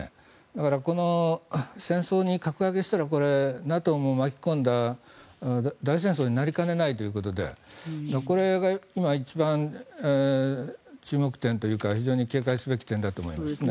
だから、戦争に格上げしたらＮＡＴＯも巻き込んだ大戦争になりかねないということでこれが今、一番注目点というか非常に警戒すべき点だと思います。